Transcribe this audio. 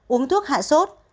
uống thuốc hạ sốt